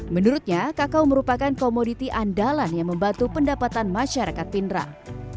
menurutnya kakao merupakan komoditi andalan yang membantu pendapatan masyarakat pindrang